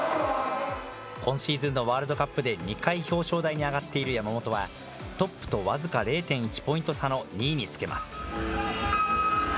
今シーズンのワールドカップで２回表彰台に上がっている山本は、トップと僅か０．１ポイント差の２位につけます。